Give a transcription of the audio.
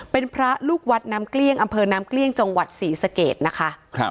เป็นพระลูกวัดน้ำเกลี้ยงอำเภอน้ำเกลี้ยงจังหวัดศรีสะเกดนะคะ